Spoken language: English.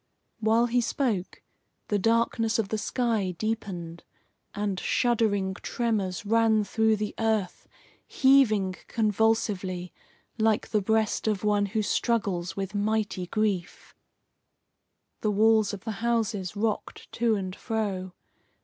While he spoke, the darkness of the sky deepened, and shuddering tremors ran through the earth heaving convulsively like the breast of one who struggles with mighty grief. The walls of the houses rocked to and fro.